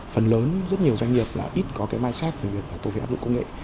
phần lớn rất nhiều doanh nghiệp ít có cái mindset về việc tổ chức công nghệ